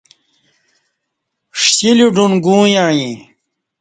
ݜِلی ڈُن گو یعیں